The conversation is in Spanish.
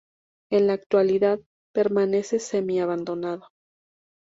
En la actualidad permanece semi-abandonado.